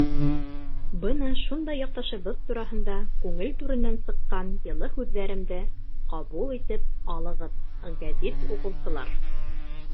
Бына шундай яҡташыбыҙ тураһында күңел түренән сыҡҡан йылы һүҙҙәремде ҡабул итеп алығыҙ, гәзит уҡыусылар.